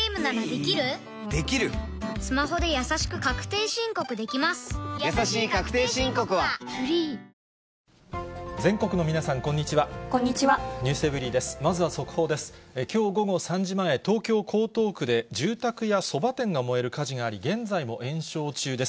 きょう午後３時前、東京・江東区で、住宅やそば店が燃える火事があり、現在も延焼中です。